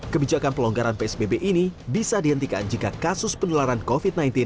kebijakan pelonggaran psbb ini bisa dihentikan jika kasus penularan covid sembilan belas